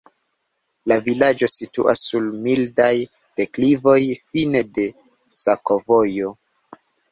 La vilaĝo situas sur mildaj deklivoj, fine de sakovojo.